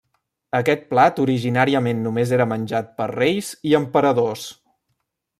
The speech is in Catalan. Aquest plat originàriament només era menjat per reis i emperadors.